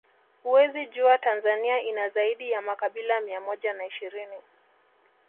Huwezi jua Tanzania ina zaidi ya makabila mia moja na ishirini